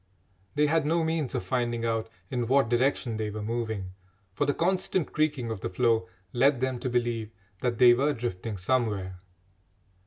They had no means of finding out in what direction they were moving, for the constant creaking of the floe led them to believe that they were drifting somewhere.